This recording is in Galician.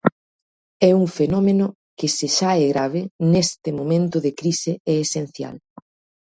É un fenómeno que se xa é grave, neste momento de crise é esencial.